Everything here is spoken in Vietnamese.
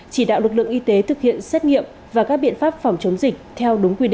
chỉ đạo lực lượng y tế thực hiện xét nghiệm và các biện pháp phòng chống dịch theo đúng quy định